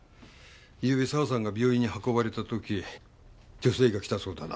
ゆうべ沢さんが病院に運ばれた時女性が来たそうだな。